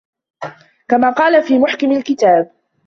كَمَا قَالَ فِي مُحْكِمِ الْكِتَابِ